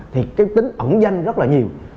thì cái tính ẩn danh rất là nhiều